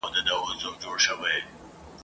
زه به مي دا عمر په کچکول کي سپلنی کړمه !.